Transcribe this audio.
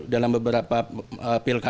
dalam beberapa pilkade